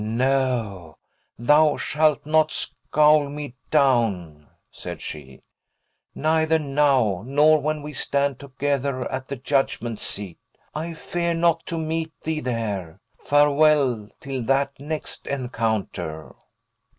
"No; thou shalt not scowl me down!" said she. "Neither now, nor when we stand together at the judgment seat. I fear not to meet thee there. Farewell, till that next encounter!"